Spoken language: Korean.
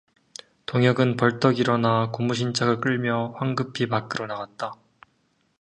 동혁은 벌떡 일어나 고무신짝을 끌며 황급히 밖으로 나갔다.